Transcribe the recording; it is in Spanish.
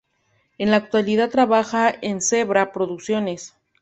En la actualidad trabaja en Zebra Producciones.